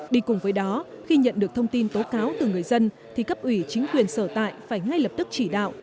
đi cùng với đó khi nhận được thông tin tố cáo từ người dân thì cấp ủy chính quyền sở tại phải ngay lập tức chỉ đạo